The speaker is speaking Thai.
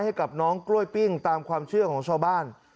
ให้กับน้องกล้วยปิ้งตามความเชื่อของชาวบ้าน